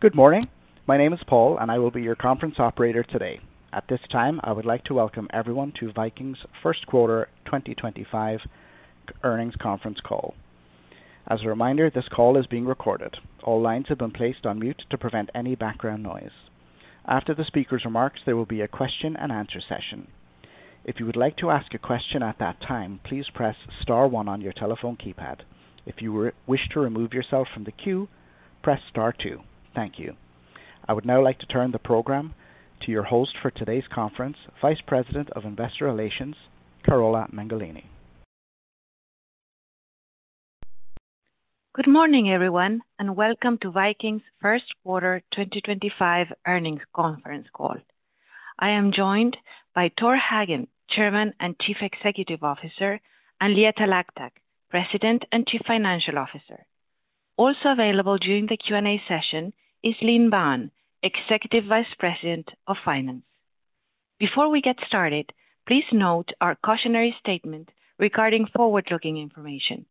Good morning. My name is Paul, and I will be your conference operator today. At this time, I would like to welcome everyone to Viking's first quarter 2025 earnings conference call. As a reminder, this call is being recorded. All lines have been placed on mute to prevent any background noise. After the speaker's remarks, there will be a question-and-answer session. If you would like to ask a question at that time, please press star one on your telephone keypad. If you wish to remove yourself from the queue, press star two. Thank you. I would now like to turn the program to your host for today's conference, Vice President of Investor Relations, Carola Mengolini. Good morning, everyone, and welcome to Viking's first quarter 2025 earnings conference call. I am joined by Tor Hagen, Chairman and Chief Executive Officer, and Leah Talactac, President and Chief Financial Officer. Also available during the Q&A session is Linh Banh, Executive Vice President of Finance. Before we get started, please note our cautionary statement regarding forward-looking information.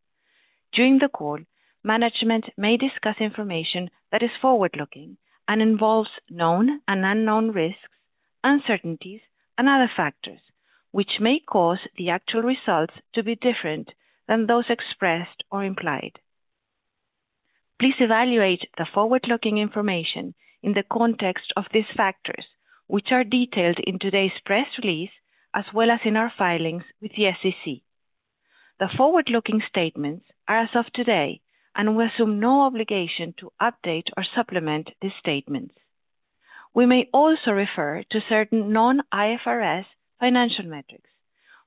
During the call, management may discuss information that is forward-looking and involves known and unknown risks, uncertainties, and other factors, which may cause the actual results to be different than those expressed or implied. Please evaluate the forward-looking information in the context of these factors, which are detailed in today's press release as well as in our filings with the SEC. The forward-looking statements are, as of today, and we assume no obligation to update or supplement these statements. We may also refer to certain non-IFRS financial metrics,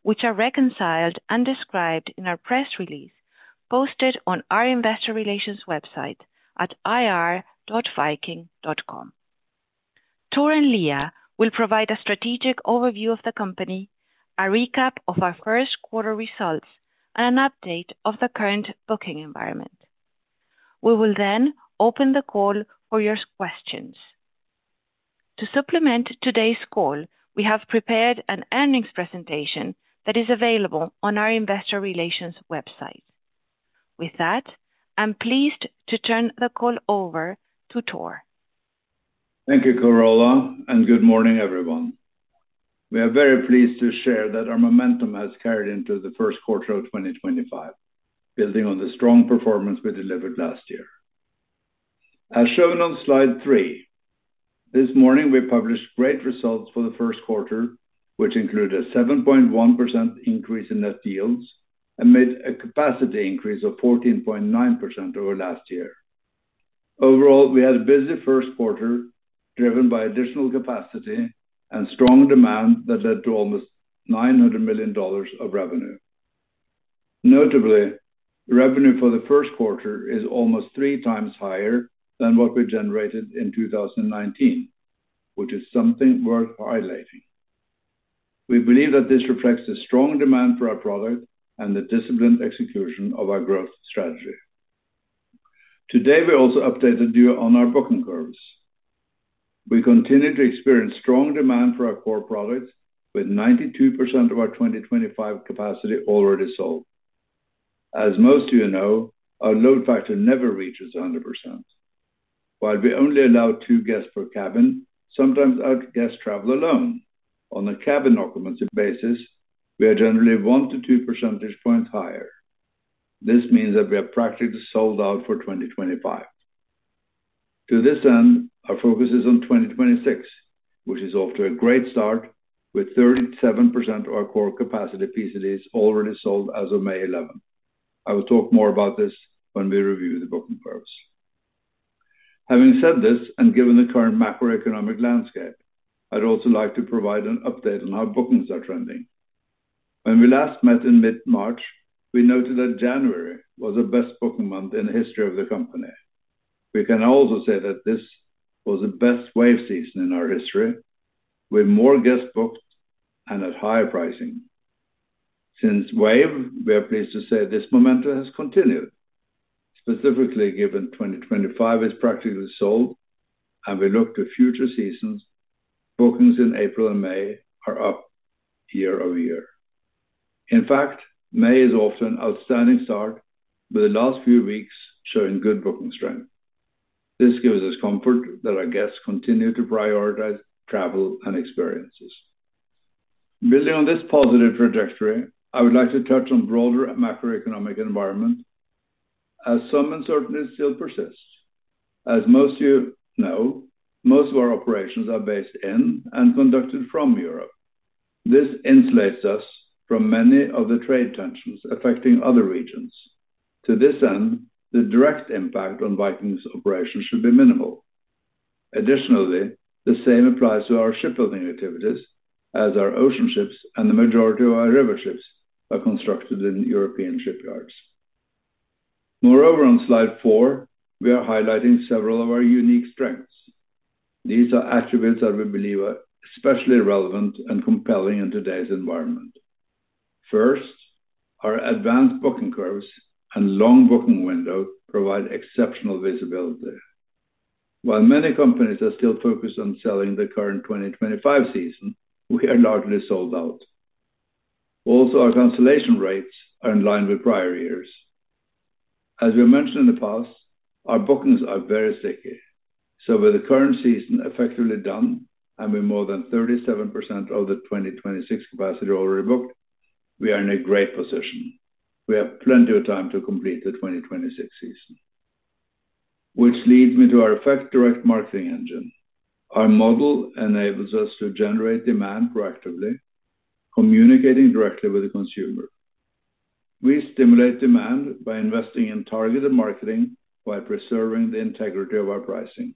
which are reconciled and described in our press release posted on our investor relations website at ir.viking.com. Tor and Leah will provide a strategic overview of the company, a recap of our first quarter results, and an update of the current booking environment. We will then open the call for your questions. To supplement today's call, we have prepared an earnings presentation that is available on our investor relations website. With that, I'm pleased to turn the call over to Tor. Thank you, Carola, and good morning, everyone. We are very pleased to share that our momentum has carried into the first quarter of 2025, building on the strong performance we delivered last year. As shown on slide three, this morning we published great results for the first quarter, which included a 7.1% increase in net yields amid a capacity increase of 14.9% over last year. Overall, we had a busy first quarter driven by additional capacity and strong demand that led to almost $900 million of revenue. Notably, revenue for the first quarter is almost three times higher than what we generated in 2019, which is something worth highlighting. We believe that this reflects the strong demand for our product and the disciplined execution of our growth strategy. Today, we also updated you on our booking curves. We continue to experience strong demand for our core products, with 92% of our 2025 capacity already sold. As most of you know, our load factor never reaches 100%. While we only allow two guests per cabin, sometimes our guests travel alone. On a cabin occupancy basis, we are generally one to two percentage points higher. This means that we are practically sold out for 2025. To this end, our focus is on 2026, which is off to a great start, with 37% of our core capacity PCDs already sold as of May 11. I will talk more about this when we review the booking curves. Having said this and given the current macroeconomic landscape, I'd also like to provide an update on how bookings are trending. When we last met in mid-March, we noted that January was the best booking month in the history of the company. We can also say that this was the best wave season in our history, with more guests booked and at higher pricing. Since wave, we are pleased to say this momentum has continued, specifically given 2025 is practically sold and we look to future seasons. Bookings in April and May are up year-over-year. In fact, May is often an outstanding start, with the last few weeks showing good booking strength. This gives us comfort that our guests continue to prioritize travel and experiences. Building on this positive trajectory, I would like to touch on the broader macroeconomic environment, as some uncertainty still persists. As most of you know, most of our operations are based in and conducted from Europe. This insulates us from many of the trade tensions affecting other regions. To this end, the direct impact on Viking's operations should be minimal. Additionally, the same applies to our shipbuilding activities, as our ocean ships and the majority of our river ships are constructed in European shipyards. Moreover, on slide four, we are highlighting several of our unique strengths. These are attributes that we believe are especially relevant and compelling in today's environment. First, our advanced booking curves and long booking window provide exceptional visibility. While many companies are still focused on selling the current 2025 season, we are largely sold out. Also, our cancellation rates are in line with prior years. As we mentioned in the past, our bookings are very sticky. With the current season effectively done and with more than 37% of the 2026 capacity already booked, we are in a great position. We have plenty of time to complete the 2026 season, which leads me to our effective direct marketing engine. Our model enables us to generate demand proactively, communicating directly with the consumer. We stimulate demand by investing in targeted marketing while preserving the integrity of our pricing.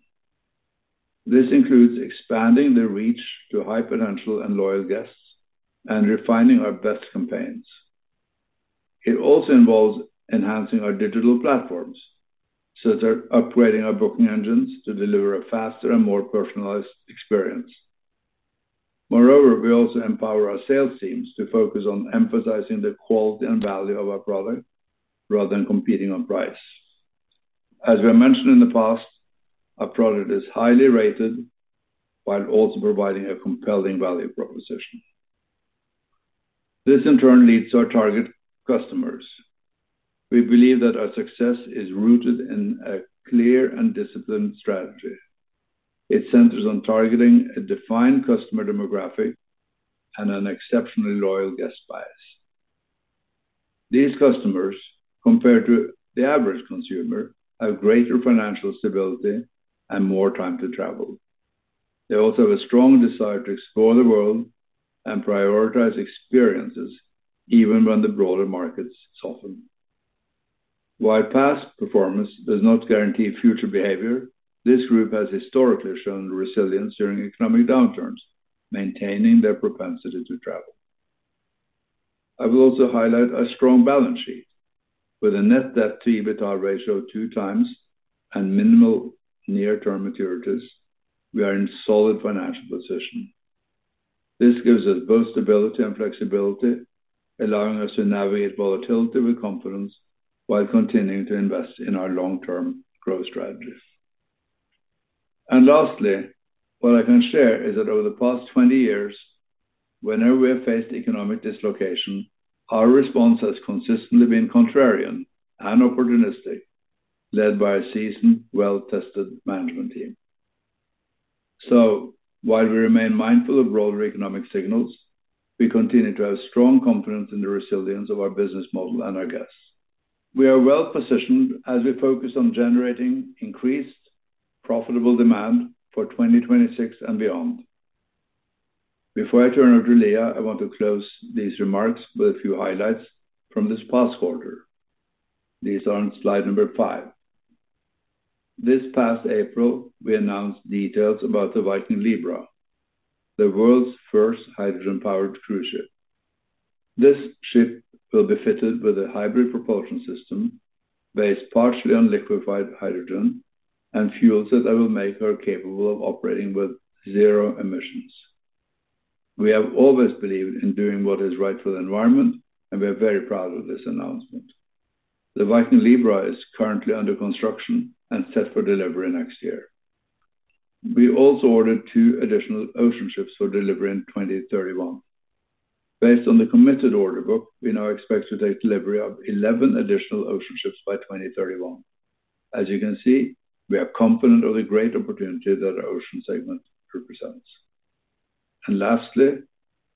This includes expanding the reach to high-potential and loyal guests and refining our best campaigns. It also involves enhancing our digital platforms, such as upgrading our booking engines to deliver a faster and more personalized experience. Moreover, we also empower our sales teams to focus on emphasizing the quality and value of our product rather than competing on price. As we mentioned in the past, our product is highly rated while also providing a compelling value proposition. This, in turn, leads to our target customers. We believe that our success is rooted in a clear and disciplined strategy. It centers on targeting a defined customer demographic and an exceptionally loyal guest base. These customers, compared to the average consumer, have greater financial stability and more time to travel. They also have a strong desire to explore the world and prioritize experiences even when the broader markets soften. While past performance does not guarantee future behavior, this group has historically shown resilience during economic downturns, maintaining their propensity to travel. I will also highlight our strong balance sheet. With a net debt-to-EBITDA ratio of 2x and minimal near-term maturities, we are in a solid financial position. This gives us both stability and flexibility, allowing us to navigate volatility with confidence while continuing to invest in our long-term growth strategies. Lastly, what I can share is that over the past 20 years, whenever we have faced economic dislocation, our response has consistently been contrarian and opportunistic, led by a seasoned, well-tested management team. While we remain mindful of broader economic signals, we continue to have strong confidence in the resilience of our business model and our guests. We are well-positioned as we focus on generating increased profitable demand for 2026 and beyond. Before I turn over to Leah, I want to close these remarks with a few highlights from this past quarter. These are on slide number five. This past April, we announced details about the Viking Libra, the world's first hydrogen-powered cruise ship. This ship will be fitted with a hybrid propulsion system based partially on liquefied hydrogen and fuels that will make her capable of operating with zero emissions. We have always believed in doing what is right for the environment, and we are very proud of this announcement. The Viking Libra is currently under construction and set for delivery next year. We also ordered two additional ocean ships for delivery in 2031. Based on the committed order book, we now expect to take delivery of 11 additional ocean ships by 2031. As you can see, we are confident of the great opportunity that our ocean segment represents. Lastly,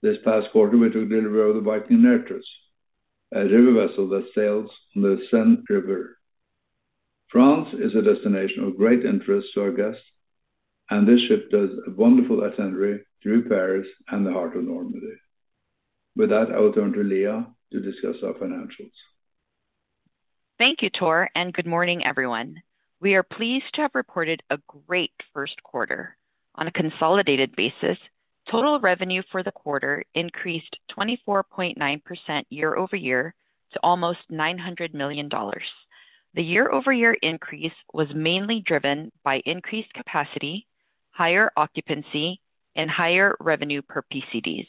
this past quarter, we took delivery of the Viking Nerthus, a river vessel that sails on the Seine River. France is a destination of great interest to our guests, and this ship does a wonderful itinerary through Paris and the heart of Normandy. With that, I will turn to Leah to discuss our financials. Thank you, Tor, and good morning, everyone. We are pleased to have reported a great first quarter. On a consolidated basis, total revenue for the quarter increased 24.9% year-over-year to almost $900 million. The year-over-year increase was mainly driven by increased capacity, higher occupancy, and higher revenue per PCDs.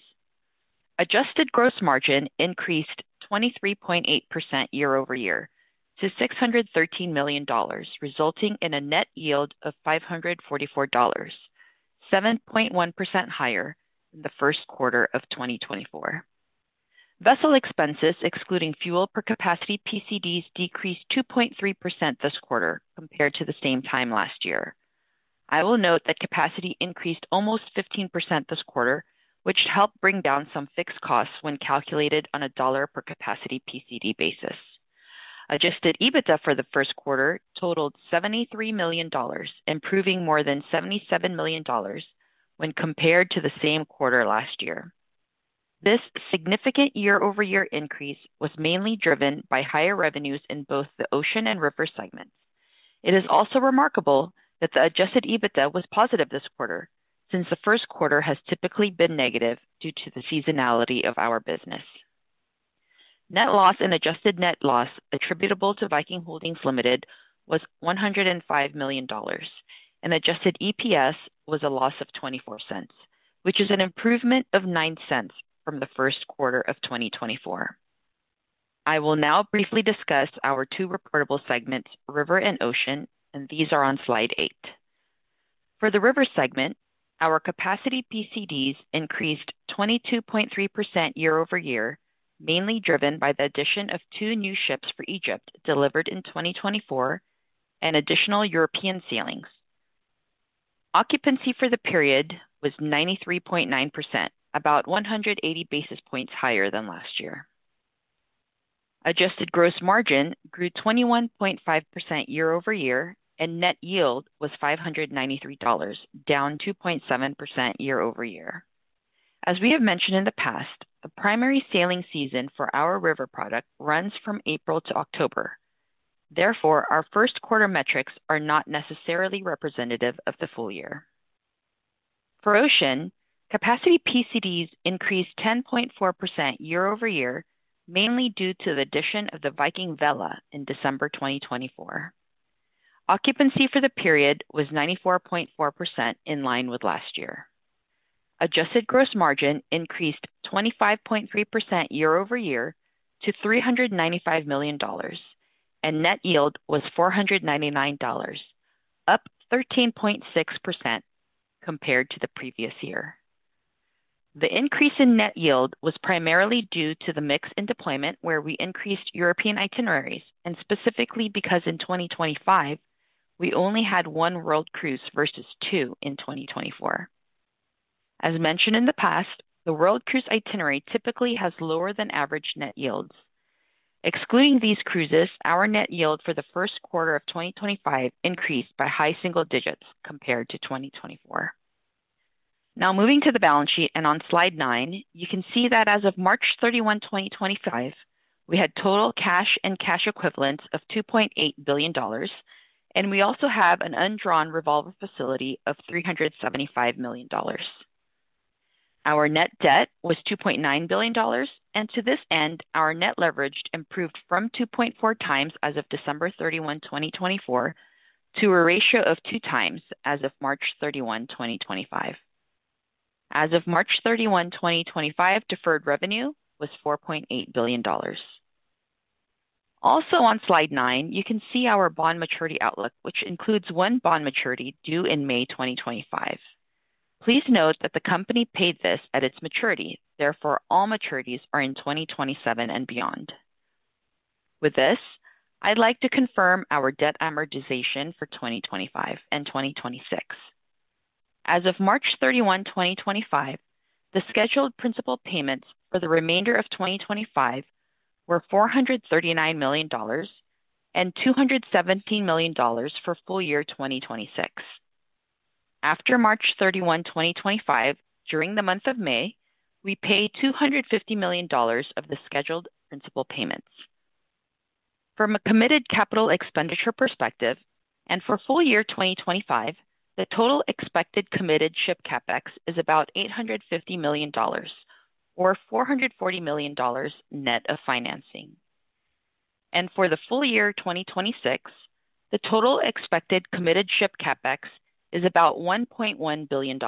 Adjusted gross margin increased 23.8% year-over-year to $613 million, resulting in a net yield of $544, 7.1% higher than the first quarter of 2024. Vessel expenses, excluding fuel per capacity PCDs, decreased 2.3% this quarter compared to the same time last year. I will note that capacity increased almost 15% this quarter, which helped bring down some fixed costs when calculated on a dollar-per-capacity PCD basis. Adjusted EBITDA for the first quarter totaled $73 million, improving more than $77 million when compared to the same quarter last year. This significant year-over-year increase was mainly driven by higher revenues in both the ocean and river segments. It is also remarkable that the adjusted EBITDA was positive this quarter, since the first quarter has typically been negative due to the seasonality of our business. Net loss and adjusted net loss attributable to Viking Holdings Limited was $105 million, and adjusted EPS was a loss of $0.24, which is an improvement of $0.09 from the first quarter of 2024. I will now briefly discuss our two reportable segments, river and ocean, and these are on slide eight. For the river segment, our capacity PCDs increased 22.3% year-over-year, mainly driven by the addition of two new ships for Egypt delivered in 2024 and additional European sailings. Occupancy for the period was 93.9%, about 180 basis points higher than last year. Adjusted gross margin grew 21.5% year-over-year, and net yield was $593, down 2.7% year-over-year. As we have mentioned in the past, the primary sailing season for our river product runs from April to October. Therefore, our first quarter metrics are not necessarily representative of the full year. For ocean, capacity PCDs increased 10.4% year-over-year, mainly due to the addition of the Viking Vela in December 2024. Occupancy for the period was 94.4%, in line with last year. Adjusted gross margin increased 25.3% year-over-year to $395 million, and net yield was $499, up 13.6% compared to the previous year. The increase in net yield was primarily due to the mix in deployment, where we increased European itineraries, and specifically because in 2025, we only had one world cruise versus two in 2024. As mentioned in the past, the world cruise itinerary typically has lower-than-average net yields. Excluding these cruises, our net yield for the first quarter of 2025 increased by high single digits compared to 2024. Now, moving to the balance sheet and on slide nine, you can see that as of March 31, 2025, we had total cash and cash equivalents of $2.8 billion, and we also have an undrawn revolver facility of $375 million. Our net debt was $2.9 billion, and to this end, our net leverage improved from 2.4x as of December 31, 2024, to a ratio of 2x as of March 31, 2025. As of March 31, 2025, deferred revenue was $4.8 billion. Also, on slide nine, you can see our bond maturity outlook, which includes one bond maturity due in May 2025. Please note that the company paid this at its maturity; therefore, all maturities are in 2027 and beyond. With this, I'd like to confirm our debt amortization for 2025 and 2026. As of March 31, 2025, the scheduled principal payments for the remainder of 2025 were $439 million and $217 million for full year 2026. After March 31, 2025, during the month of May, we paid $250 million of the scheduled principal payments. From a committed capital expenditure perspective, and for full year 2025, the total expected committed ship CapEx is about $850 million, or $440 million net of financing. For the full year 2026, the total expected committed ship CapEx is about $1.1 billion,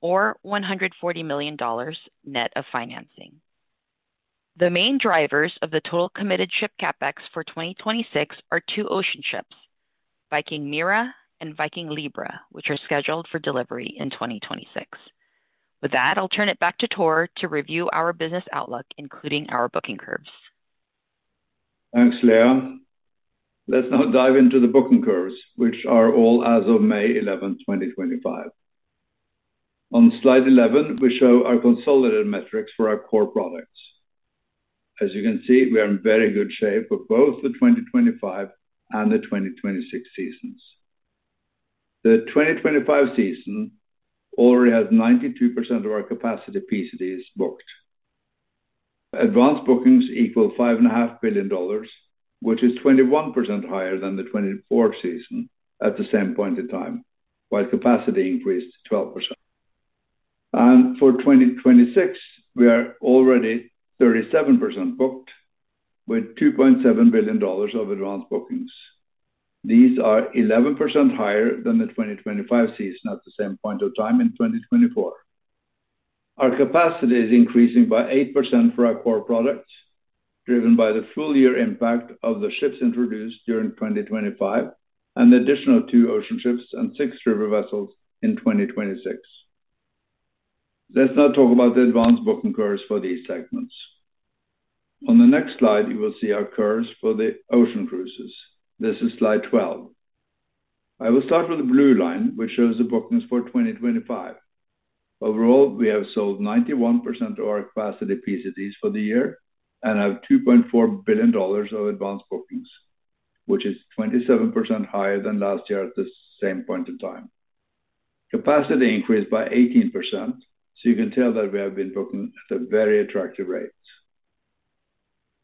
or $140 million net of financing. The main drivers of the total committed ship CapEx for 2026 are two ocean ships, Viking Mira and Viking Libra, which are scheduled for delivery in 2026. With that, I'll turn it back to Tor to review our business outlook, including our booking curves. Thanks, Leah. Let's now dive into the booking curves, which are all as of May 11th, 2025. On slide 11, we show our consolidated metrics for our core products. As you can see, we are in very good shape for both the 2025 and the 2026 seasons. The 2025 season already has 92% of our capacity PCDs booked. Advanced bookings equal $5.5 billion, which is 21% higher than the 2024 season at the same point in time, while capacity increased 12%. For 2026, we are already 37% booked with $2.7 billion of advanced bookings. These are 11% higher than the 2025 season at the same point of time in 2024. Our capacity is increasing by 8% for our core products, driven by the full year impact of the ships introduced during 2025 and the additional two ocean ships and six river vessels in 2026. Let's now talk about the advanced booking curves for these segments. On the next slide, you will see our curves for the ocean cruises. This is slide 12. I will start with the blue line, which shows the bookings for 2025. Overall, we have sold 91% of our capacity PCDs for the year and have $2.4 billion of advanced bookings, which is 27% higher than last year at the same point in time. Capacity increased by 18%, so you can tell that we have been booking at very attractive rates.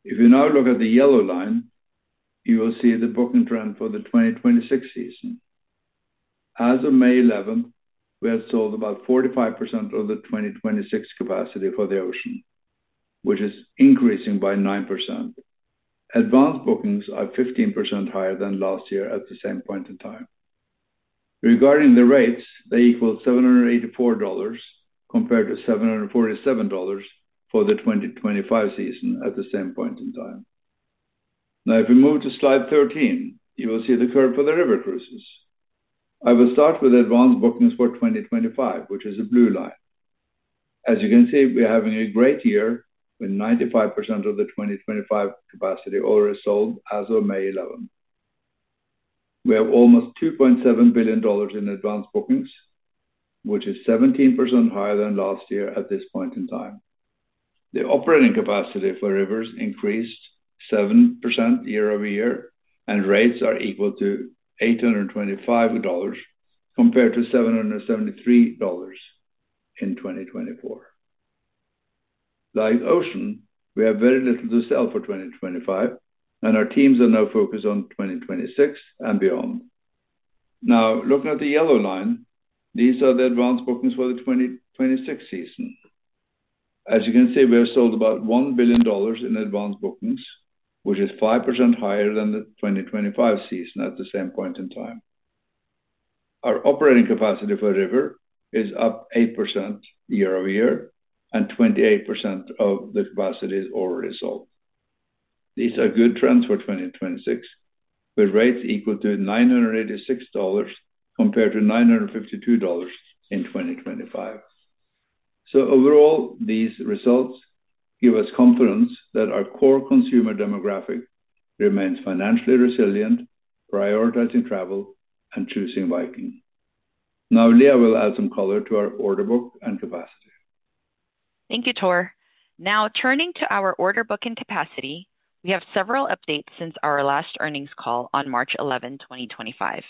If you now look at the yellow line, you will see the booking trend for the 2026 season. As of May 11, we have sold about 45% of the 2026 capacity for the ocean, which is increasing by 9%. Advanced bookings are 15% higher than last year at the same point in time. Regarding the rates, they equal $784 compared to $747 for the 2025 season at the same point in time. Now, if we move to slide 13, you will see the curve for the River Cruises. I will start with advanced bookings for 2025, which is the blue line. As you can see, we are having a great year with 95% of the 2025 capacity already sold as of May 11. We have almost $2.7 billion in advanced bookings, which is 17% higher than last year at this point in time. The operating capacity for rivers increased 7% year-over-year, and rates are equal to $825 compared to $773 in 2024. Like ocean, we have very little to sell for 2025, and our teams are now focused on 2026 and beyond. Now, looking at the yellow line, these are the advanced bookings for the 2026 season. As you can see, we have sold about $1 billion in advanced bookings, which is 5% higher than the 2025 season at the same point in time. Our operating capacity for river is up 8% year-over-year, and 28% of the capacity is already sold. These are good trends for 2026, with rates equal to $986 compared to $952 in 2025. Overall, these results give us confidence that our core consumer demographic remains financially resilient, prioritizing travel and choosing Viking. Now, Leah will add some color to our order book and capacity. Thank you, Tor. Now, turning to our order book and capacity, we have several updates since our last earnings call on March 11, 2025.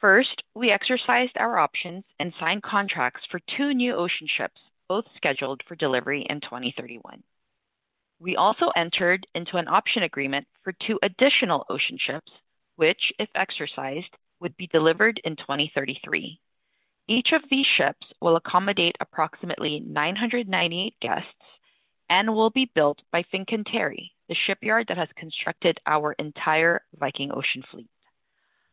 First, we exercised our options and signed contracts for two new ocean ships, both scheduled for delivery in 2031. We also entered into an option agreement for two additional ocean ships, which, if exercised, would be delivered in 2033. Each of these ships will accommodate approximately 998 guests and will be built by Fincantieri, the shipyard that has constructed our entire Viking Ocean fleet.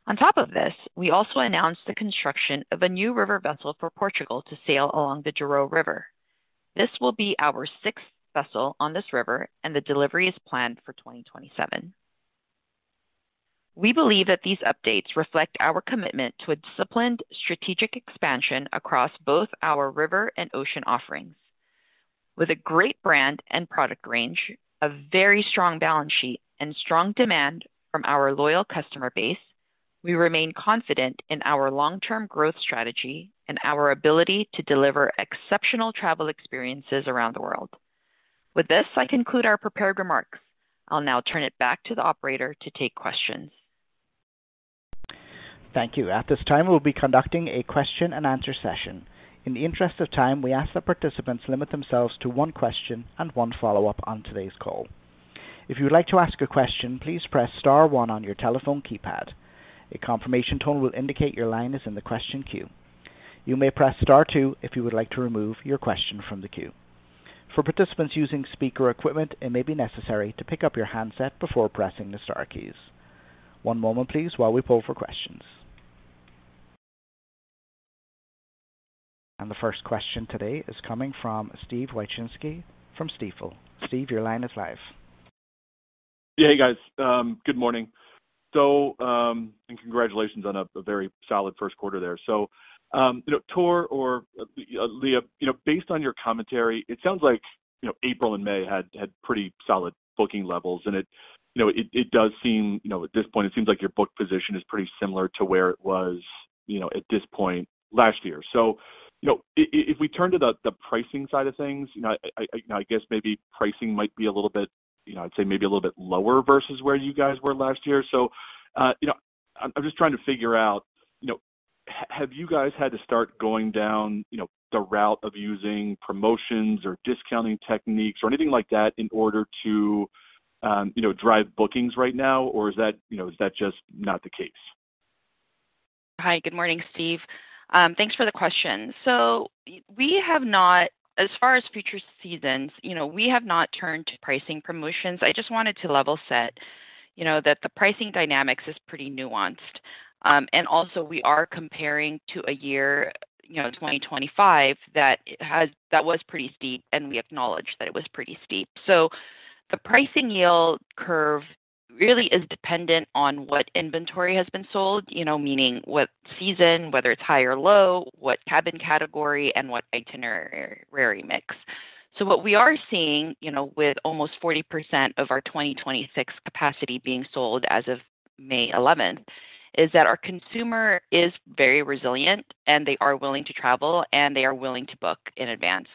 On top of this, we also announced the construction of a new river vessel for Portugal to sail along the Douro River. This will be our sixth vessel on this river, and the delivery is planned for 2027. We believe that these updates reflect our commitment to a disciplined, strategic expansion across both our river and ocean offerings. With a great brand and product range, a very strong balance sheet, and strong demand from our loyal customer base, we remain confident in our long-term growth strategy and our ability to deliver exceptional travel experiences around the world. With this, I conclude our prepared remarks. I'll now turn it back to the operator to take questions. Thank you. At this time, we will be conducting a question-and-answer session. In the interest of time, we ask that participants limit themselves to one question and one follow-up on today's call. If you would like to ask a question, please press star one on your telephone keypad. A confirmation tone will indicate your line is in the question queue. You may press star two if you would like to remove your question from the queue. For participants using speaker equipment, it may be necessary to pick up your handset before pressing the Star keys. One moment, please, while we pull for questions. The first question today is coming from Steve Wieczynski from Stifel. Steve, your line is live. Yeah, hey, guys. Good morning. And congratulations on a very solid first quarter there. Tor, or Leah, based on your commentary, it sounds like April and May had pretty solid booking levels. It does seem, at this point, it seems like your book position is pretty similar to where it was at this point last year. If we turn to the pricing side of things, I guess maybe pricing might be a little bit, I'd say maybe a little bit lower versus where you guys were last year. I'm just trying to figure out, have you guys had to start going down the route of using promotions or discounting techniques or anything like that in order to drive bookings right now, or is that just not the case? Hi, good morning, Steve. Thanks for the question. We have not, as far as future seasons, we have not turned to pricing promotions. I just wanted to level set that the pricing dynamics is pretty nuanced. Also, we are comparing to a year, 2025, that was pretty steep, and we acknowledge that it was pretty steep. The pricing yield curve really is dependent on what inventory has been sold, meaning what season, whether it is high or low, what cabin category, and what itinerary mix. What we are seeing with almost 40% of our 2026 capacity being sold as of May 11 is that our consumer is very resilient, and they are willing to travel, and they are willing to book in advance.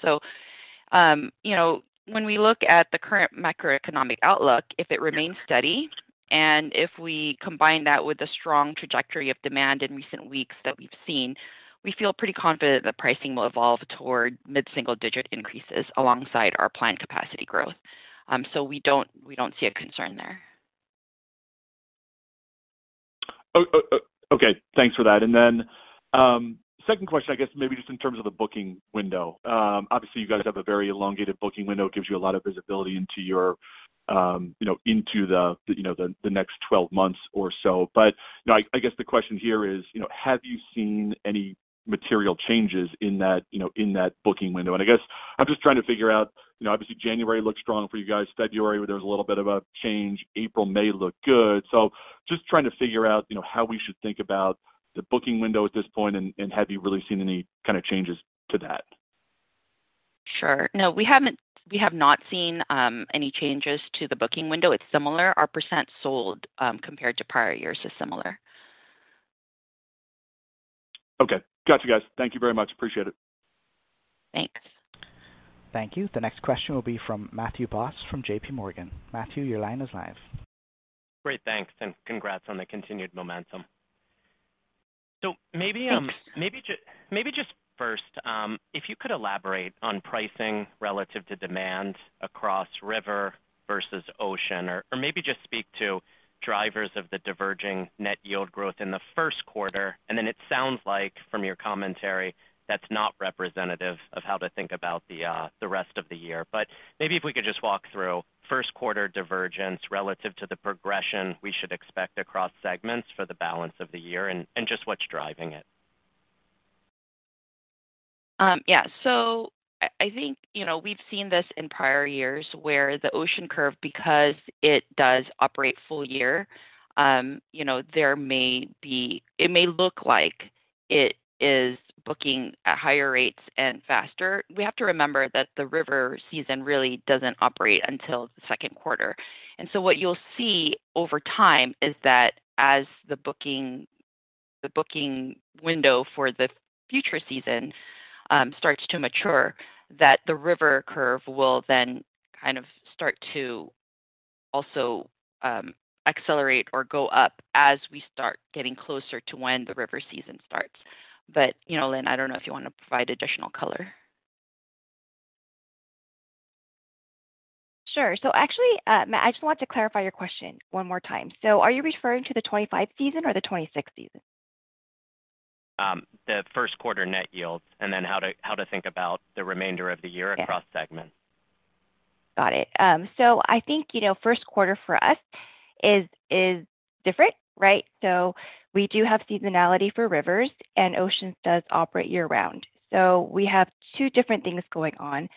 When we look at the current macroeconomic outlook, if it remains steady, and if we combine that with the strong trajectory of demand in recent weeks that we've seen, we feel pretty confident that pricing will evolve toward mid-single-digit increases alongside our planned capacity growth. We do not see a concern there. Okay. Thanks for that. Then second question, I guess, maybe just in terms of the booking window. Obviously, you guys have a very elongated booking window. It gives you a lot of visibility into the next 12 months or so. I guess the question here is, have you seen any material changes in that booking window? I guess I'm just trying to figure out, obviously, January looked strong for you guys. February, there was a little bit of a change. April, May looked good. Just trying to figure out how we should think about the booking window at this point, and have you really seen any kind of changes to that? Sure. No, we have not seen any changes to the booking window. It's similar. Our percent sold compared to prior years is similar. Okay. Gotcha, guys. Thank you very much. Appreciate it. Thanks. Thank you. The next question will be from Matthew Boss from JPMorgan. Matthew, your line is live. Great. Thanks. Congrats on the continued momentum. Maybe just first, if you could elaborate on pricing relative to demand across river versus ocean, or maybe just speak to drivers of the diverging net yield growth in the first quarter. It sounds like, from your commentary, that's not representative of how to think about the rest of the year. Maybe if we could just walk through first quarter divergence relative to the progression we should expect across segments for the balance of the year and just what's driving it. Yeah. So I think we've seen this in prior years where the ocean curve, because it does operate full year, there may be it may look like it is booking at higher rates and faster. We have to remember that the river season really does not operate until the second quarter. What you'll see over time is that as the booking window for the future season starts to mature, the river curve will then kind of start to also accelerate or go up as we start getting closer to when the river season starts. Linh, I do not know if you want to provide additional color. Sure. So actually, I just want to clarify your question one more time. Are you referring to the 2025 season or the 2026 season? The first quarter net yields and then how to think about the remainder of the year across segments. Got it. I think first quarter for us is different, right? We do have seasonality for rivers, and ocean does operate year-round. We have two different things going on.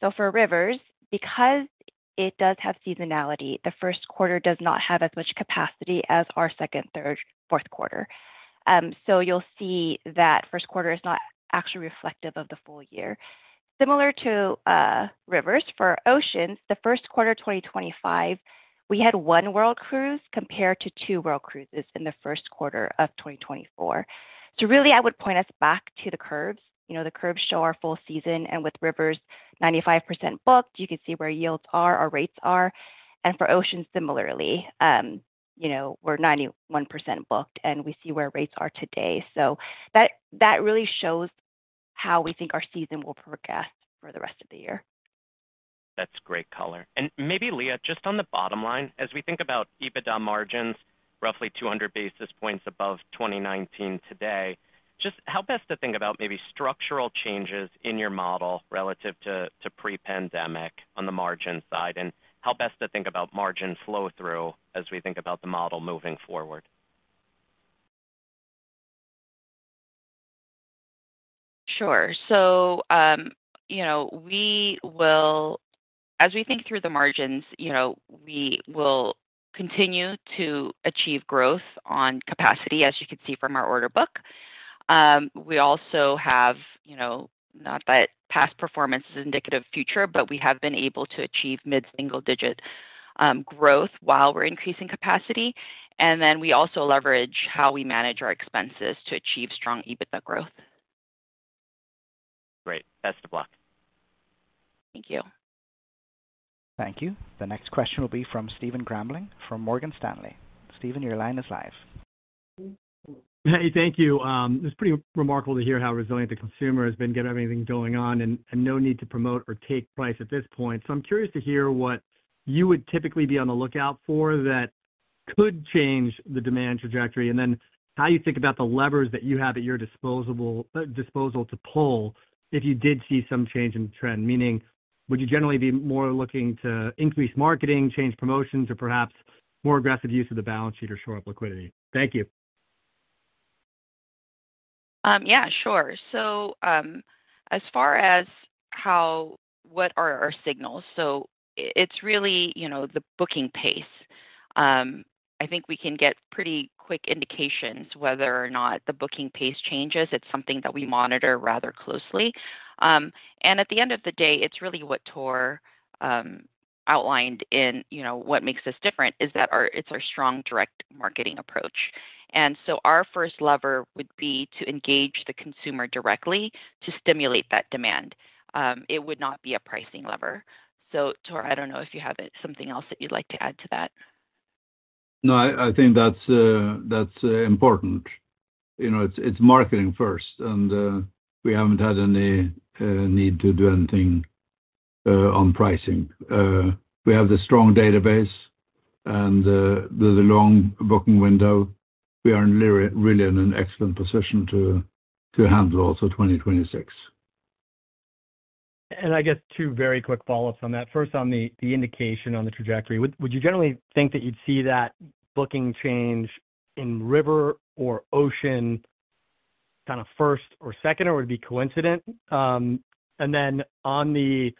For rivers, because it does have seasonality, the first quarter does not have as much capacity as our second, third, fourth quarter. You'll see that first quarter is not actually reflective of the full year. Similar to rivers, for oceans, the first quarter of 2025, we had one world cruise compared to two world cruises in the first quarter of 2024. I would point us back to the curves. The curves show our full season. With rivers, 95% booked, you can see where yields are, our rates are. For oceans, similarly, we're 91% booked, and we see where rates are today. That really shows how we think our season will progress for the rest of the year. That's great color. Maybe, Leah, just on the bottom line, as we think about EBITDA margins, roughly 200 basis points above 2019 today, just how best to think about maybe structural changes in your model relative to pre-pandemic on the margin side? How best to think about margin flow-through as we think about the model moving forward? Sure. As we think through the margins, we will continue to achieve growth on capacity, as you can see from our order book. We also have, not that past performance is indicative of future, but we have been able to achieve mid-single-digit growth while we're increasing capacity. We also leverage how we manage our expenses to achieve strong EBITDA growth. Great. Best of luck. Thank you. Thank you. The next question will be from Stephen Grambling from Morgan Stanley. Stephen, your line is live. Hey, thank you. It's pretty remarkable to hear how resilient the consumer has been given everything going on and no need to promote or take price at this point. I'm curious to hear what you would typically be on the lookout for that could change the demand trajectory, and then how you think about the levers that you have at your disposal to pull if you did see some change in trend, meaning would you generally be more looking to increase marketing, change promotions, or perhaps more aggressive use of the balance sheet or shore up liquidity? Thank you. Yeah, sure. As far as what are our signals, it is really the booking pace. I think we can get pretty quick indications whether or not the booking pace changes. It is something that we monitor rather closely. At the end of the day, what Tor outlined in what makes us different is that it is our strong direct marketing approach. Our first lever would be to engage the consumer directly to stimulate that demand. It would not be a pricing lever. Tor, I do not know if you have something else that you would like to add to that. No, I think that's important. It's marketing first, and we haven't had any need to do anything on pricing. We have the strong database and the long booking window. We are really in an excellent position to handle also 2026. I guess two very quick follow-ups on that. First, on the indication on the trajectory, would you generally think that you'd see that booking change in river or ocean kind of first or second, or would it be coincident? Then on the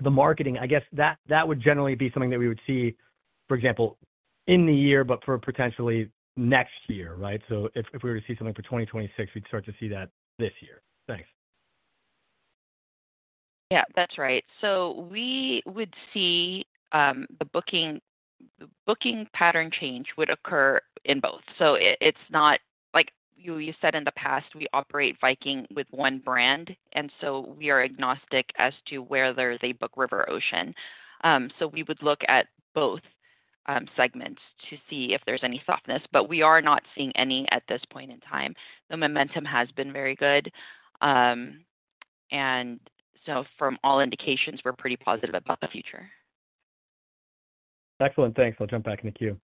marketing, I guess that would generally be something that we would see, for example, in the year, but for potentially next year, right? If we were to see something for 2026, we'd start to see that this year. Thanks. Yeah, that's right. We would see the booking pattern change would occur in both. It's not like you said in the past, we operate Viking with one brand, and we are agnostic as to whether they book river, ocean. We would look at both segments to see if there's any softness, but we are not seeing any at this point in time. The momentum has been very good. From all indications, we're pretty positive about the future. Excellent. Thanks. I'll jump back in the queue.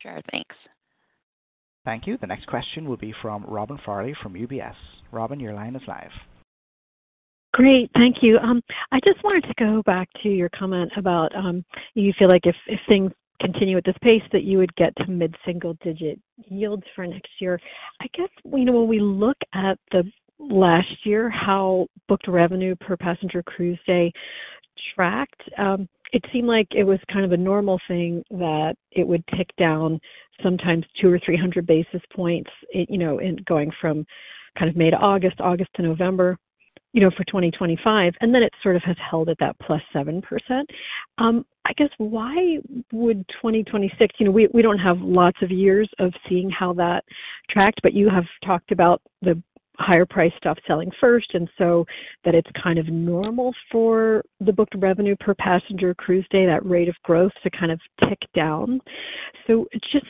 Sure. Thanks. Thank you. The next question will be from Robin Farley from UBS. Robin, your line is live. Great. Thank you. I just wanted to go back to your comment about you feel like if things continue at this pace, that you would get to mid-single-digit yields for next year. I guess when we look at the last year, how booked revenue per passenger cruise day tracked, it seemed like it was kind of a normal thing that it would tick down sometimes 200 or 300 basis points in going from kind of May to August, August to November for 2025. And then it sort of has held at that plus 7%. I guess why would 2026? We do not have lots of years of seeing how that tracked, but you have talked about the higher-priced stuff selling first, and so that it is kind of normal for the booked revenue per passenger cruise day, that rate of growth to kind of tick down. Just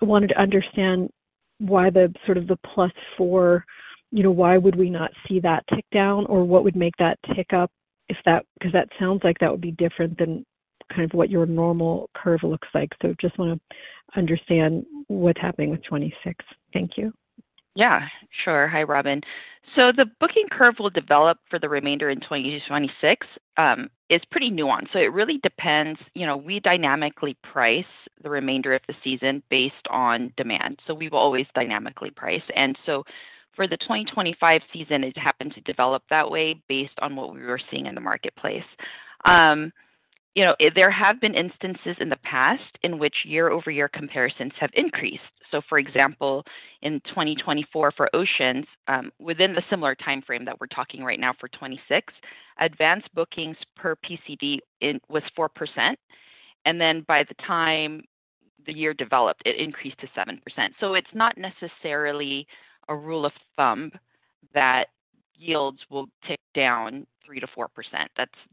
wanted to understand why the sort of the plus four, why would we not see that tick down, or what would make that tick up? Because that sounds like that would be different than kind of what your normal curve looks like. Just want to understand what's happening with '2026. Thank you. Yeah. Sure. Hi, Robin. The booking curve will develop for the remainder in 2026 is pretty nuanced. It really depends. We dynamically price the remainder of the season based on demand. We will always dynamically price. For the 2025 season, it happened to develop that way based on what we were seeing in the marketplace. There have been instances in the past in which year-over-year comparisons have increased. For example, in 2024 for oceans, within the similar timeframe that we are talking right now for 2026, advanced bookings per PCD was 4%. By the time the year developed, it increased to 7%. It is not necessarily a rule of thumb that yields will tick down 3-4%.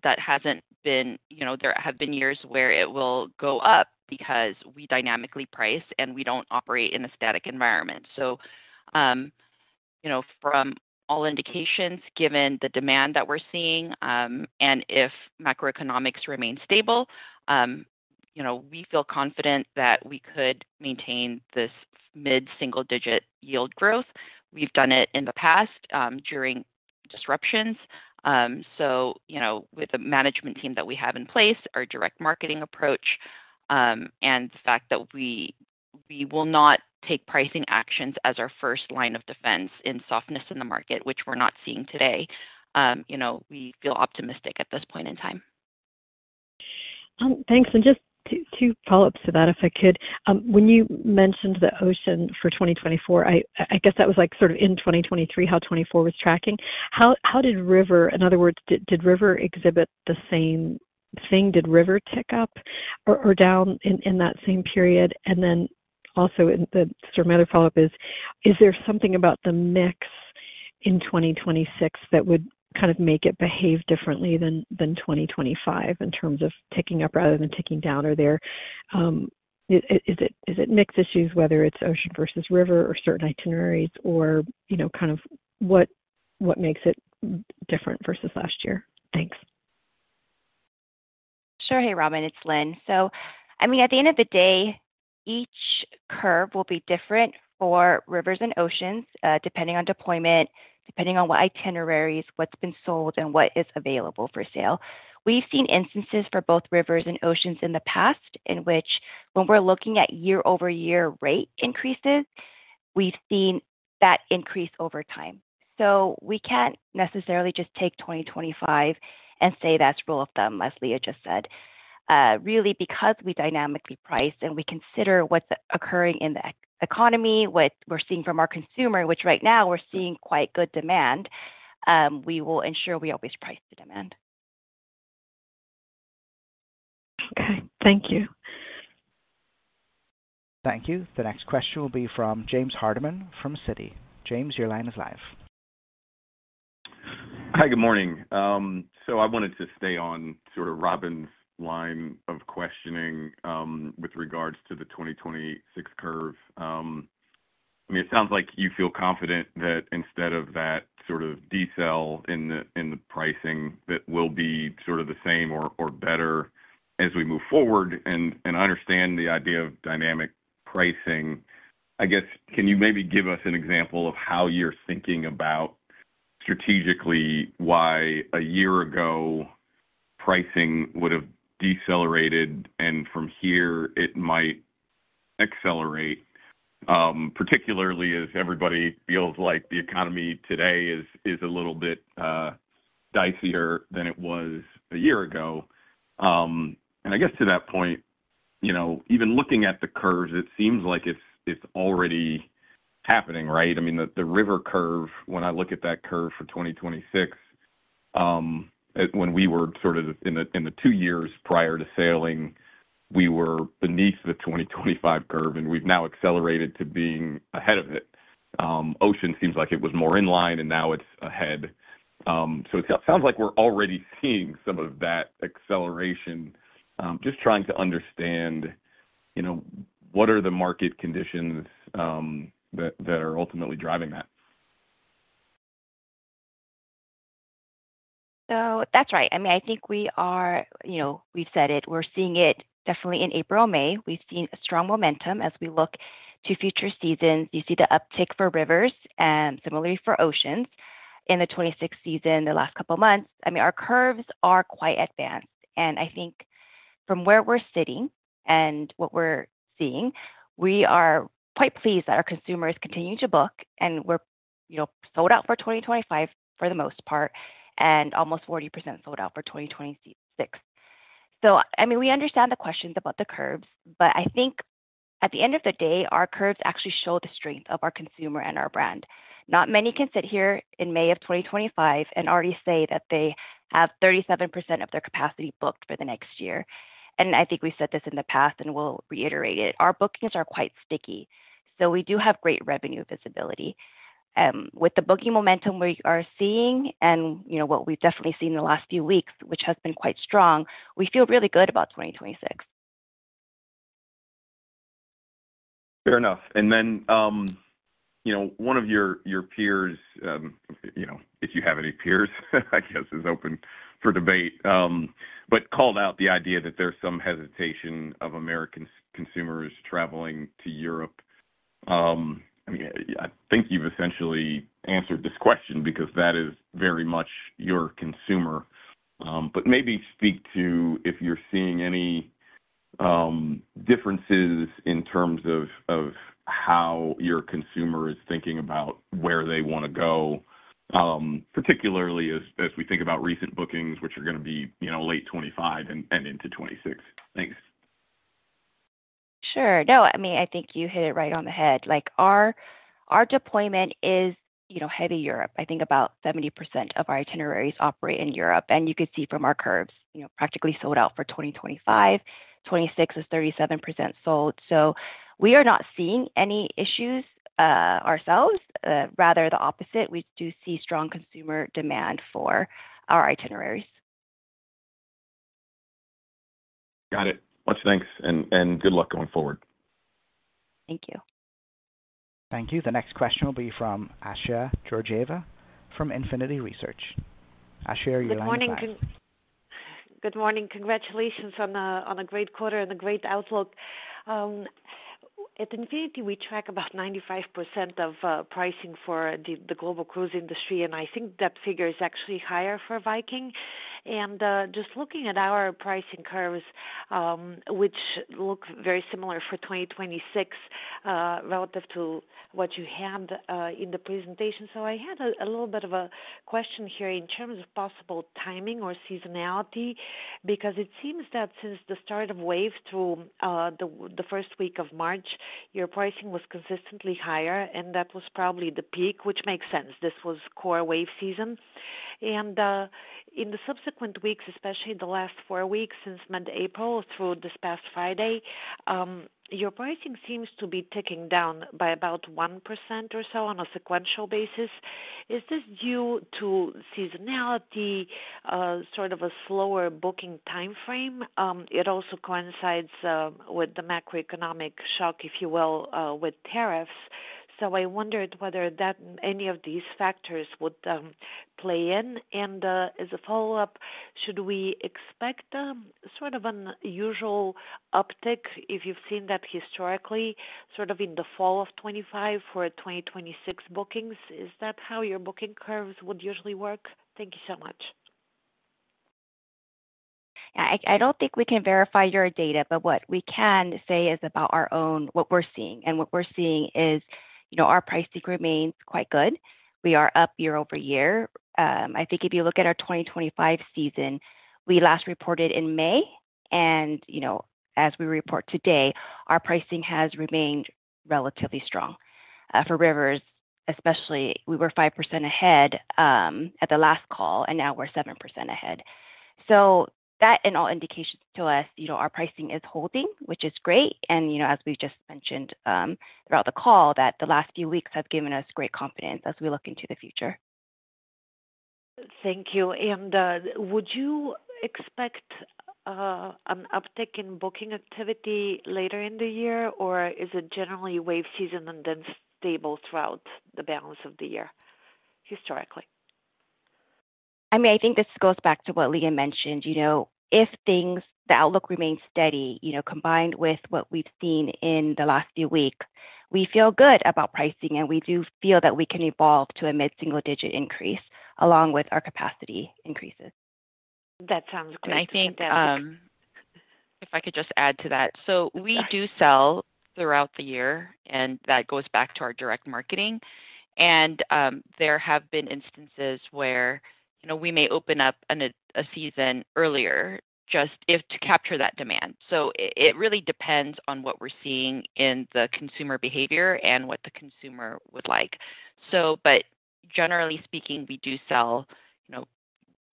That has not been—there have been years where it will go up because we dynamically price, and we do not operate in a static environment. From all indications, given the demand that we're seeing, and if macroeconomics remain stable, we feel confident that we could maintain this mid-single-digit yield growth. We've done it in the past during disruptions. With the management team that we have in place, our direct marketing approach, and the fact that we will not take pricing actions as our first line of defense in softness in the market, which we're not seeing today, we feel optimistic at this point in time. Thanks. Just two follow-ups to that, if I could. When you mentioned the ocean for 2024, I guess that was sort of in 2023, how '24 was tracking. How did river, in other words, did river exhibit the same thing? Did river tick up or down in that same period? Also, the sort of another follow-up is, is there something about the mix in 2026 that would kind of make it behave differently than 2025 in terms of ticking up rather than ticking down? Is it mix issues, whether it is ocean versus river or certain itineraries, or kind of what makes it different versus last year? Thanks. Sure. Hey, Robin. It's Linh. At the end of the day, each curve will be different for rivers and oceans depending on deployment, depending on what itineraries, what's been sold, and what is available for sale. We've seen instances for both rivers and oceans in the past in which when we're looking at year-over-year rate increases, we've seen that increase over time. We can't necessarily just take 2025 and say that's rule of thumb, as Leah just said. Really, because we dynamically price and we consider what's occurring in the economy, what we're seeing from our consumer, which right now we're seeing quite good demand, we will ensure we always price the demand. Okay. Thank you. Thank you. The next question will be from James Hardiman from Citi. James, your line is live. Hi, good morning. I wanted to stay on sort of Robin's line of questioning with regards to the 2026 curve. I mean, it sounds like you feel confident that instead of that sort of decel in the pricing, that will be sort of the same or better as we move forward. I understand the idea of dynamic pricing. I guess, can you maybe give us an example of how you're thinking about strategically why a year ago pricing would have decelerated and from here it might accelerate, particularly as everybody feels like the economy today is a little bit dicier than it was a year ago? I guess to that point, even looking at the curves, it seems like it's already happening, right? I mean, the river curve, when I look at that curve for 2026, when we were sort of in the two years prior to sailing, we were beneath the 2025 curve, and we've now accelerated to being ahead of it. Ocean seems like it was more in line, and now it's ahead. It sounds like we're already seeing some of that acceleration. Just trying to understand what are the market conditions that are ultimately driving that? That's right. I mean, I think we are, we've said it. We're seeing it definitely in April, May. We've seen a strong momentum as we look to future seasons. You see the uptick for rivers and similarly for oceans in the 2026 season the last couple of months. I mean, our curves are quite advanced. And I think from where we're sitting and what we're seeing, we are quite pleased that our consumers continue to book, and we're sold out for 2025 for the most part, and almost 40% sold out for 2026. I mean, we understand the questions about the curves, but I think at the end of the day, our curves actually show the strength of our consumer and our brand. Not many can sit here in May of 2025 and already say that they have 37% of their capacity booked for the next year. I think we've said this in the past, and we'll reiterate it. Our bookings are quite sticky. We do have great revenue visibility. With the booking momentum we are seeing and what we've definitely seen in the last few weeks, which has been quite strong, we feel really good about 2026. Fair enough. One of your peers, if you have any peers, I guess, is open for debate, but called out the idea that there's some hesitation of American consumers traveling to Europe. I mean, I think you've essentially answered this question because that is very much your consumer. Maybe speak to if you're seeing any differences in terms of how your consumer is thinking about where they want to go, particularly as we think about recent bookings, which are going to be late 2025 and into 2026. Thanks. Sure. No, I mean, I think you hit it right on the head. Our deployment is heavy Europe. I think about 70% of our itineraries operate in Europe. You could see from our curves, practically sold out for 2025. 2026 is 37% sold. We are not seeing any issues ourselves. Rather, the opposite. We do see strong consumer demand for our itineraries. Got it. Much thanks. Good luck going forward. Thank you. Thank you. The next question will be from Assia Georgieva from Infinity Research. Asha, your line is live. Good morning. Good morning. Congratulations on a great quarter and a great outlook. At Infinity, we track about 95% of pricing for the global cruise industry, and I think that figure is actually higher for Viking. Just looking at our pricing curves, which look very similar for 2026 relative to what you had in the presentation. I had a little bit of a question here in terms of possible timing or seasonality because it seems that since the start of wave through the first week of March, your pricing was consistently higher, and that was probably the peak, which makes sense. This was core wave season. In the subsequent weeks, especially the last four weeks since mid-April through this past Friday, your pricing seems to be ticking down by about 1% or so on a sequential basis. Is this due to seasonality, sort of a slower booking timeframe? It also coincides with the macroeconomic shock, if you will, with tariffs. I wondered whether any of these factors would play in. As a follow-up, should we expect sort of an unusual uptick, if you've seen that historically, sort of in the fall of 2025 for 2026 bookings? Is that how your booking curves would usually work? Thank you so much. Yeah. I do not think we can verify your data, but what we can say is about our own, what we are seeing. What we are seeing is our pricing remains quite good. We are up year-over-year. I think if you look at our 2025 season, we last reported in May. As we report today, our pricing has remained relatively strong. For rivers, especially, we were 5% ahead at the last call, and now we are 7% ahead. That, in all indications to us, our pricing is holding, which is great. As we have just mentioned throughout the call, the last few weeks have given us great confidence as we look into the future. Thank you. Would you expect an uptick in booking activity later in the year, or is it generally wave season and then stable throughout the balance of the year historically? I mean, I think this goes back to what Leah mentioned. If things, the outlook remains steady, combined with what we've seen in the last few weeks, we feel good about pricing, and we do feel that we can evolve to a mid-single-digit increase along with our capacity increases. That sounds great. I think that. If I could just add to that. We do sell throughout the year, and that goes back to our direct marketing. There have been instances where we may open up a season earlier just to capture that demand. It really depends on what we are seeing in the consumer behavior and what the consumer would like. Generally speaking, we do sell.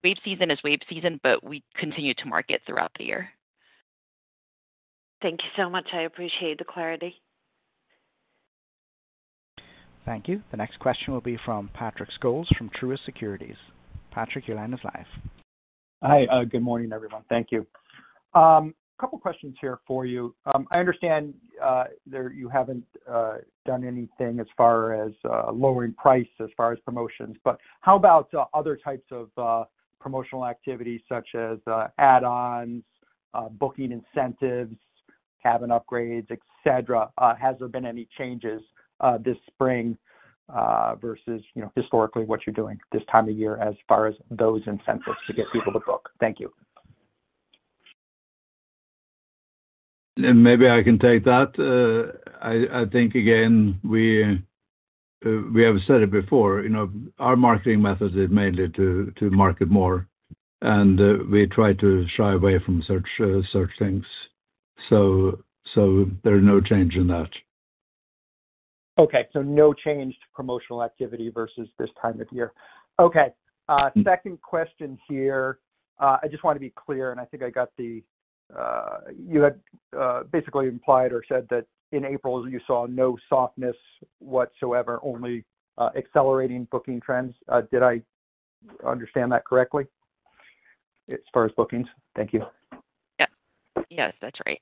Wave season is wave season, but we continue to market throughout the year. Thank you so much. I appreciate the clarity. Thank you. The next question will be from Patrick Scholes from Truist Securities. Patrick, your line is live. Hi. Good morning, everyone. Thank you. A couple of questions here for you. I understand you haven't done anything as far as lowering price as far as promotions, but how about other types of promotional activities such as add-ons, booking incentives, cabin upgrades, etc.? Has there been any changes this spring versus historically what you're doing this time of year as far as those incentives to get people to book? Thank you. Maybe I can take that. I think, again, we have said it before. Our marketing method is mainly to market more, and we try to shy away from such things. There is no change in that. Okay. So no change to promotional activity versus this time of year. Okay. Second question here. I just want to be clear, and I think I got the you had basically implied or said that in April, you saw no softness whatsoever, only accelerating booking trends. Did I understand that correctly as far as bookings? Thank you. Yes. Yes, that's right.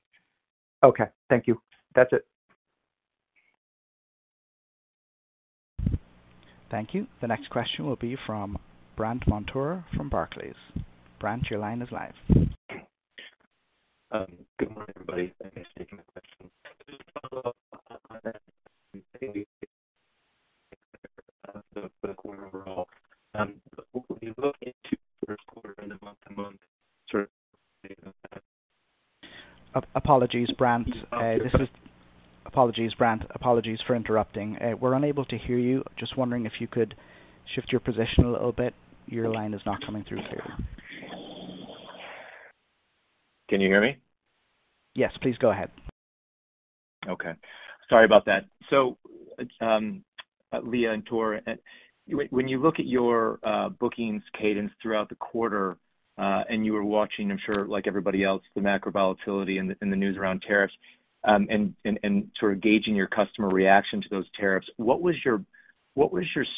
Okay. Thank you. That's it. Thank you. The next question will be from Brandt Montour from Barclays. Brandt, your line is live. Good morning, everybody. Thanks for taking the question. I have a follow-up on that. I think we've hit the quarter overall. When you look into the first quarter and the month-to-month sort of data. Apologies, Brandt. Apologies for interrupting. We're unable to hear you. Just wondering if you could shift your position a little bit. Your line is not coming through clearly. Can you hear me? Yes. Please go ahead. Okay. Sorry about that. Leah and Tor, when you look at your bookings cadence throughout the quarter and you were watching, I'm sure, like everybody else, the macro volatility and the news around tariffs and sort of gauging your customer reaction to those tariffs, what was your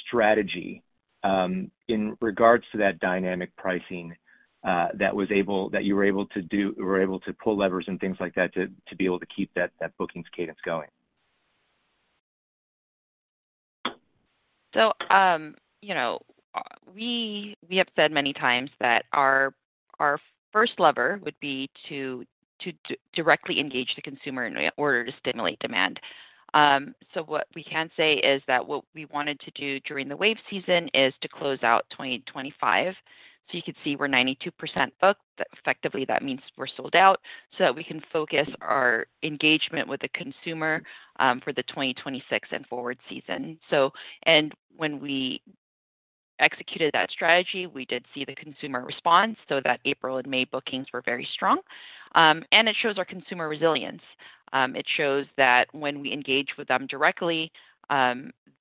strategy in regards to that dynamic pricing that you were able to do, were able to pull levers and things like that to be able to keep that bookings cadence going? We have said many times that our first lever would be to directly engage the consumer in order to stimulate demand. What we can say is that what we wanted to do during the wave season is to close out 2025. You can see we're 92% booked. Effectively, that means we're sold out so that we can focus our engagement with the consumer for the 2026 and forward season. When we executed that strategy, we did see the consumer response. April and May bookings were very strong. It shows our consumer resilience. It shows that when we engage with them directly,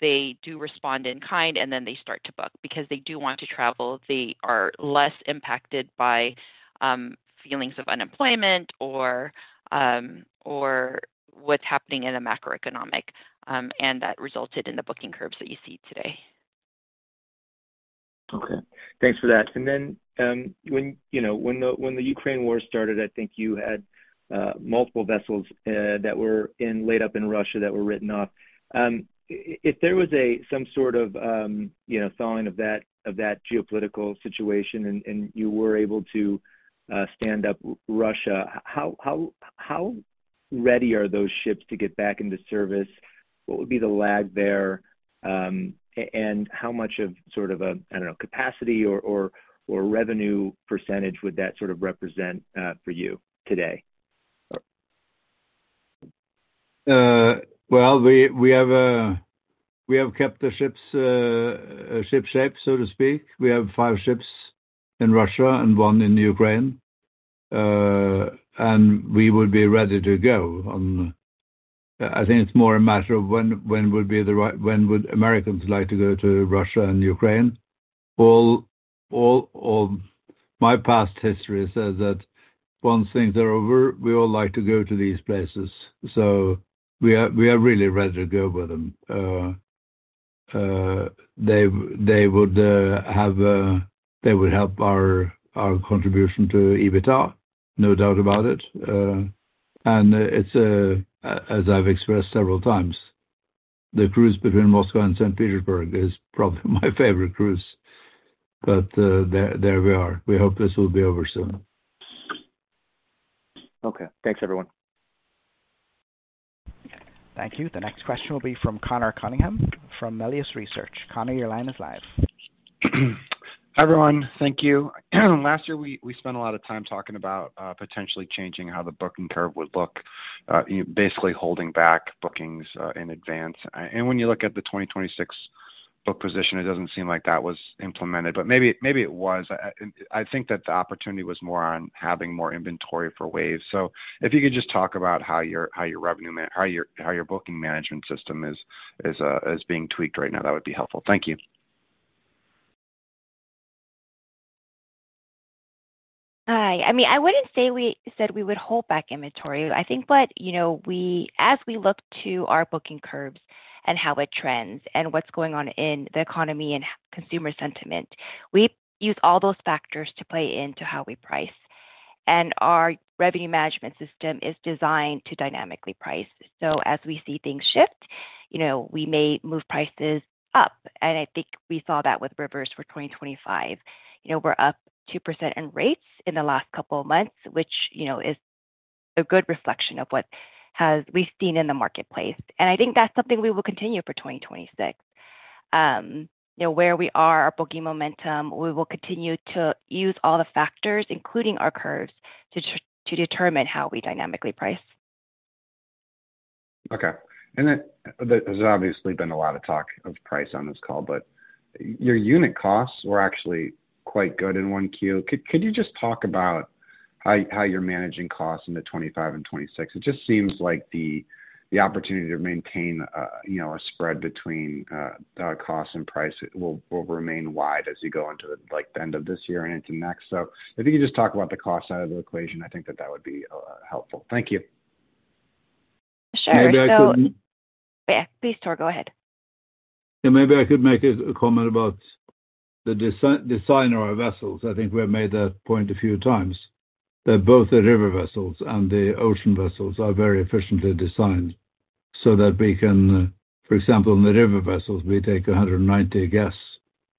they do respond in kind, and then they start to book because they do want to travel. They are less impacted by feelings of unemployment or what's happening in the macroeconomic, and that resulted in the booking curves that you see today. Okay. Thanks for that. When the Ukraine war started, I think you had multiple vessels that were laid up in Russia that were written off. If there was some sort of following of that geopolitical situation and you were able to stand up Russia, how ready are those ships to get back into service? What would be the lag there? How much of sort of a, I do not know, capacity or revenue percentage would that sort of represent for you today? We have kept the ships shape, so to speak. We have five ships in Russia and one in Ukraine. We would be ready to go. I think it's more a matter of when would be the right, when would Americans like to go to Russia and Ukraine. My past history says that once things are over, we all like to go to these places. We are really ready to go with them. They would help our contribution to EBITDA, no doubt about it. As I've expressed several times, the cruise between Moscow and St. Petersburg is probably my favorite cruise. There we are. We hope this will be over soon. Okay. Thanks, everyone. Thank you. The next question will be from Conor Cunningham from Melius Research. Connor, your line is live. Hi, everyone. Thank you. Last year, we spent a lot of time talking about potentially changing how the booking curve would look, basically holding back bookings in advance. When you look at the 2026 book position, it does not seem like that was implemented, but maybe it was. I think that the opportunity was more on having more inventory for waves. If you could just talk about how your booking management system is being tweaked right now, that would be helpful. Thank you. Hi. I mean, I would not say we said we would hold back inventory. I think that as we look to our booking curves and how it trends and what is going on in the economy and consumer sentiment, we use all those factors to play into how we price. Our revenue management system is designed to dynamically price. As we see things shift, we may move prices up. I think we saw that with rivers for 2025. We are up 2% in rates in the last couple of months, which is a good reflection of what we have seen in the marketplace. I think that is something we will continue for 2026. Where we are, our booking momentum, we will continue to use all the factors, including our curves, to determine how we dynamically price. Okay. There has obviously been a lot of talk of price on this call, but your unit costs were actually quite good in 1Q. Could you just talk about how you're managing costs in 2025 and 2026? It just seems like the opportunity to maintain a spread between cost and price will remain wide as you go into the end of this year and into next. If you could just talk about the cost side of the equation, I think that would be helpful. Thank you. Sure. So. Maybe I could. Yeah. Please, Tor, go ahead. Yeah. Maybe I could make a comment about the design of our vessels. I think we have made that point a few times. Both the river vessels and the ocean vessels are very efficiently designed so that we can, for example, in the river vessels, we take 190 guests,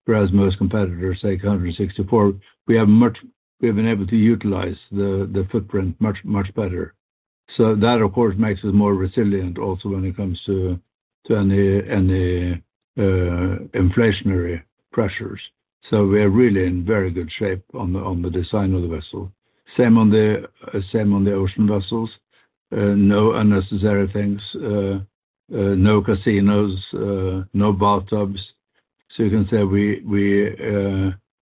whereas most competitors take 164. We have been able to utilize the footprint much, much better. That, of course, makes us more resilient also when it comes to any inflationary pressures. We are really in very good shape on the design of the vessel. Same on the ocean vessels. No unnecessary things. No casinos. No bathtubs. You can say we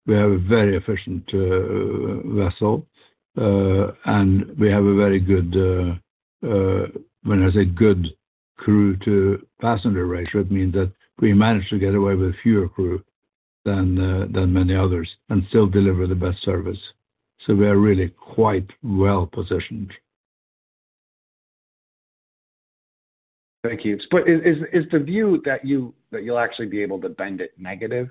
have a very efficient vessel, and we have a very good—when I say good—crew-to-passenger ratio. It means that we manage to get away with fewer crew than many others and still deliver the best service. We are really quite well positioned. Thank you. Is the view that you'll actually be able to bend it negative?